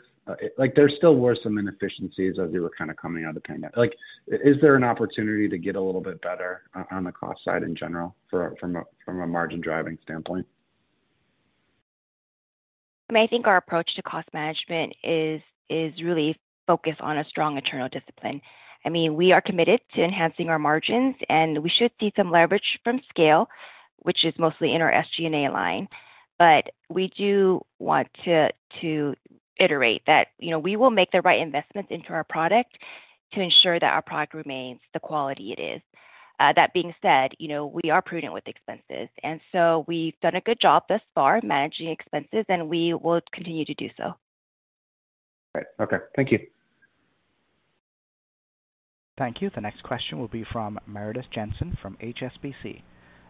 There still were some inefficiencies as you were kind of coming out of the pandemic. Is there an opportunity to get a little bit better on the cost side in general from a margin driving standpoint? I mean, I think our approach to cost management is really focused on a strong internal discipline. I mean, we are committed to enhancing our margins, and we should see some leverage from scale, which is mostly in our SG&A line. We do want to iterate that we will make the right investments into our product to ensure that our product remains the quality it is. That being said, we are prudent with expenses. We have done a good job thus far managing expenses, and we will continue to do so. Great. Okay. Thank you. Thank you. The next question will be from Meredith Jensen from HSBC.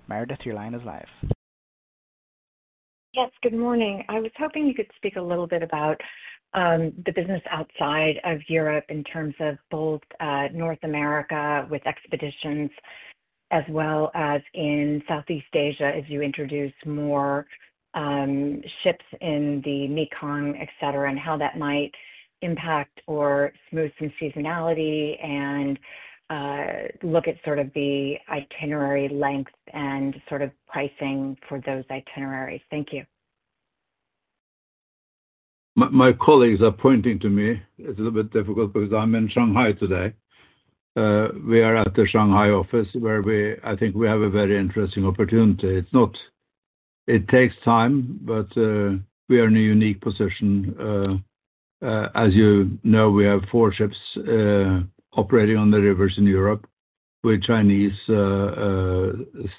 Meredith, your line is live. Yes. Good morning. I was hoping you could speak a little bit about the business outside of Europe in terms of both North America with expeditions as well as in Southeast Asia as you introduce more ships in the Mekong, etc., and how that might impact or smooth some seasonality and look at sort of the itinerary length and sort of pricing for those itineraries. Thank you. My colleagues are pointing to me. It's a little bit difficult because I'm in Shanghai today. We are at the Shanghai office where I think we have a very interesting opportunity. It takes time, but we are in a unique position. As you know, we have four ships operating on the rivers in Europe with Chinese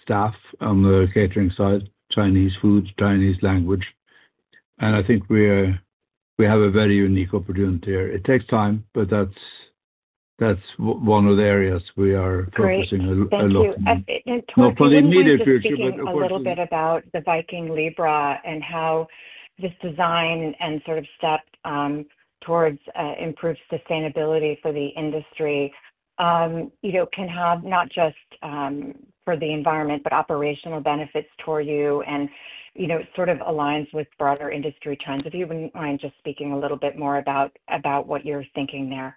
staff on the catering side, Chinese food, Chinese language. I think we have a very unique opportunity here. It takes time, but that's one of the areas we are focusing a lot on. Thank you. Tor, can you talk a little bit about the Viking Libra and how this design and sort of step towards improved sustainability for the industry can have not just for the environment, but operational benefits toward you and sort of aligns with broader industry trends? If you would not mind just speaking a little bit more about what you are thinking there.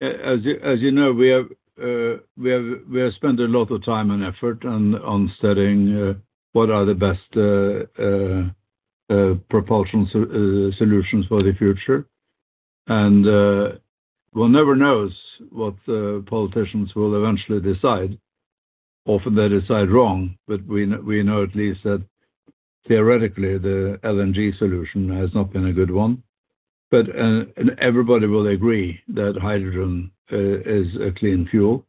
As you know, we have spent a lot of time and effort on studying what are the best propulsion solutions for the future. One never knows what politicians will eventually decide. Often they decide wrong, but we know at least that theoretically, the LNG solution has not been a good one. Everybody will agree that hydrogen is a clean fuel.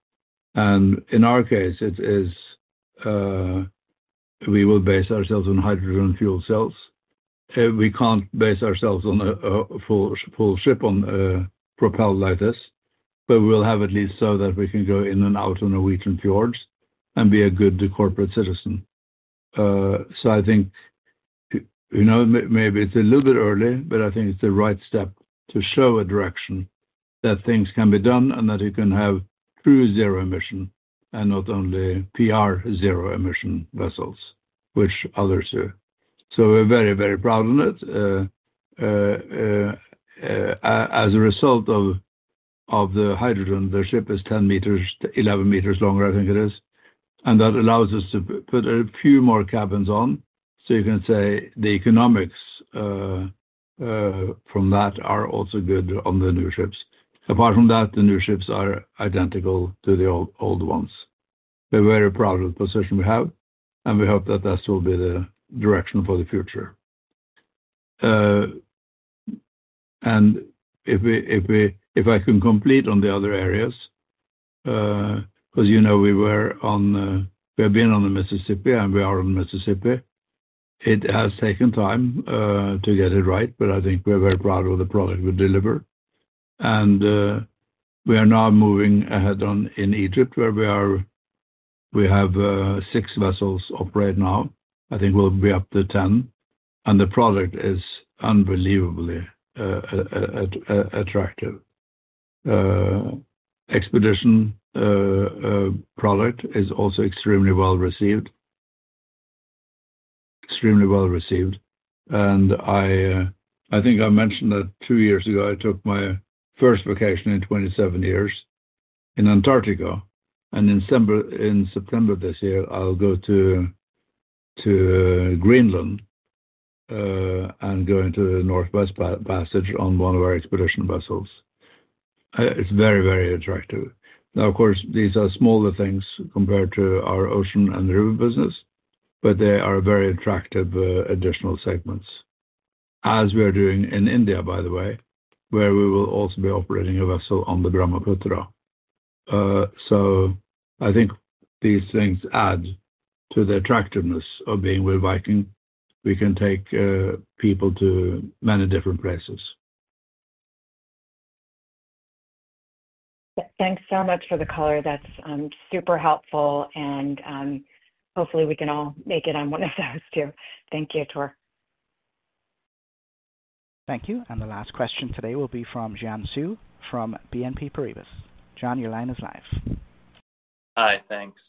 In our case, we will base ourselves on hydrogen fuel cells. We cannot base ourselves on a full ship propelled like this, but we will have at least so that we can go in and out on a weekend fjords and be a good corporate citizen. I think maybe it's a little bit early, but I think it's the right step to show a direction that things can be done and that you can have true zero emission and not only PR zero emission vessels, which others do. We're very, very proud of it. As a result of the hydrogen, the ship is 10 meters, 11 meters longer, I think it is. That allows us to put a few more cabins on. You can say the economics from that are also good on the new ships. Apart from that, the new ships are identical to the old ones. We're very proud of the position we have, and we hope that that will be the direction for the future. If I can complete on the other areas, because we were on the we have been on the Mississippi, and we are on the Mississippi, it has taken time to get it right, but I think we are very proud of the product we deliver. We are now moving ahead in Egypt, where we have six vessels operate now. I think we will be up to 10. The product is unbelievably attractive. Expedition product is also extremely well received, extremely well received. I think I mentioned that two years ago, I took my first vacation in 27 years in Antarctica. In September this year, I will go to Greenland and go into the Northwest Passage on one of our expedition vessels. It is very, very attractive. Of course, these are smaller things compared to our ocean and river business, but they are very attractive additional segments. As we are doing in India, by the way, where we will also be operating a vessel on the Brahmaputra. I think these things add to the attractiveness of being with Viking. We can take people to many different places. Thanks so much for the color. That's super helpful. Hopefully, we can all make it on one of those too. Thank you, Tor. Thank you. The last question today will be from Jean Sue from BNP Paribas. John, your line is live. Hi. Thanks.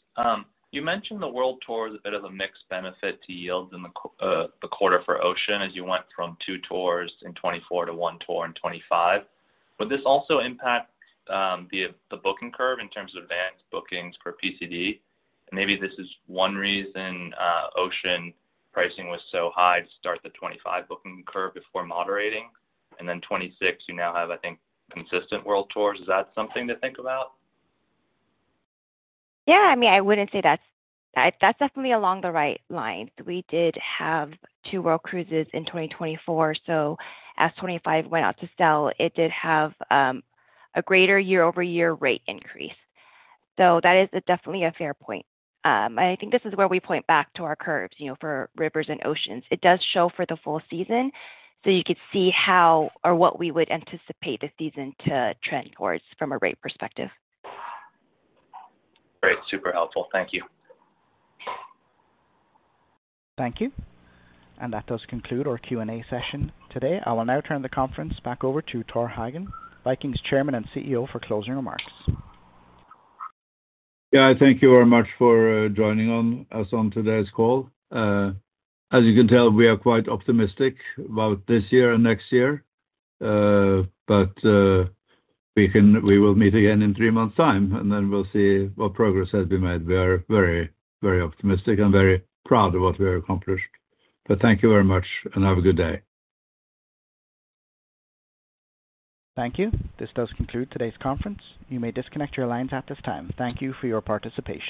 You mentioned the world tour is a bit of a mixed benefit to yields in the quarter for ocean as you went from two tours in 2024 to one tour in 2025. Would this also impact the booking curve in terms of advanced bookings for PCD? Maybe this is one reason ocean pricing was so high to start the 2025 booking curve before moderating. In 2026, you now have, I think, consistent world tours. Is that something to think about? Yeah. I mean, I would not say that is definitely along the right lines. We did have two world cruises in 2024. As 2025 went out to sell, it did have a greater year-over-year rate increase. That is definitely a fair point. I think this is where we point back to our curves for rivers and oceans. It does show for the full season. You could see how or what we would anticipate the season to trend towards from a rate perspective. Great. Super helpful. Thank you. Thank you. That does conclude our Q&A session today. I will now turn the conference back over to Tor Hagen, Viking's Chairman and CEO, for closing remarks. Yeah. Thank you very much for joining us on today's call. As you can tell, we are quite optimistic about this year and next year. We will meet again in three months' time, and then we'll see what progress has been made. We are very, very optimistic and very proud of what we have accomplished. Thank you very much, and have a good day. Thank you. This does conclude today's conference. You may disconnect your lines at this time. Thank you for your participation.